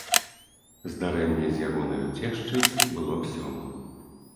Здарэнне з ягонаю цешчай было б сёмым.